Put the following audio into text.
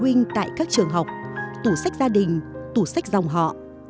tủ sách gia đình tại các trường học tủ sách gia đình tủ sách dòng họ